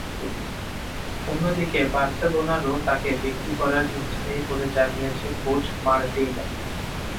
অন্যদিকে বার্সেলোনারও তাঁকে বিক্রি করার ইচ্ছে নেই বলে জানিয়েছেন কোচ মার্টিনো।